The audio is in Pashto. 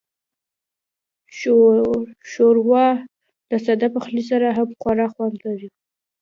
ښوروا له ساده پخلي سره هم خورا خوند لري.